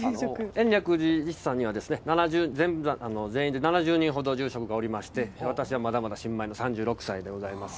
延暦寺には全員で７０人ほど住職がおりまして私はまだまだ新米の３６歳でございます。